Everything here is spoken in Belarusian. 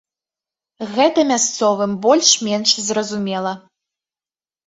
Гэта мясцовым больш-менш зразумела.